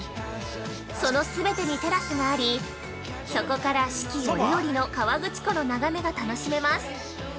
そのすべてにテラスがあり、そこから四季折々河口湖の眺めが楽しめます。